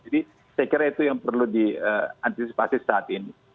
jadi saya kira itu yang perlu diantisipasi saat ini